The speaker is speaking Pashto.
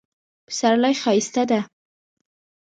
پسرلی ښایسته ده